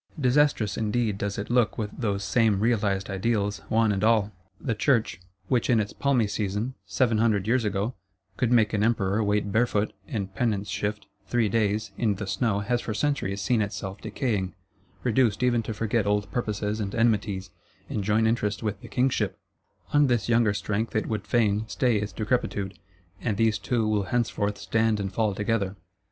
Disastrous indeed does it look with those same "realised ideals," one and all! The Church, which in its palmy season, seven hundred years ago, could make an Emperor wait barefoot, in penance shift; three days, in the snow, has for centuries seen itself decaying; reduced even to forget old purposes and enmities, and join interest with the Kingship: on this younger strength it would fain stay its decrepitude; and these two will henceforth stand and fall together.